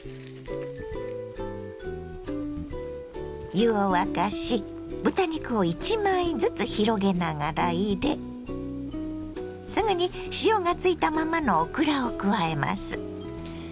湯を沸かし豚肉を１枚ずつ広げながら入れすぐに塩がついたままのオクラを加えます。